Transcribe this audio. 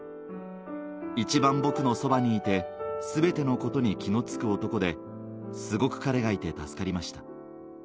一番僕のそばにいて、すべてのことに気の付く男で、すごく彼がいて助かりました。